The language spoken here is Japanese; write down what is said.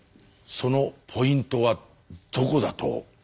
そのポイントはどこだと思いますか？